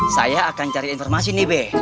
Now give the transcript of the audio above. saya akan cari informasi nih be